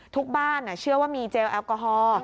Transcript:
ทุกบ้านเชื่อว่ามีเจลแอลกอฮอล์